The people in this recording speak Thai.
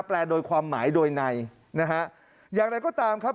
โดยความหมายโดยในนะฮะอย่างไรก็ตามครับ